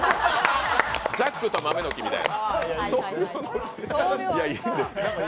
ジャックと豆の木みたい。